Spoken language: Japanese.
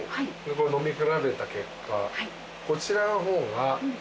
飲み比べた結果こちらの方が。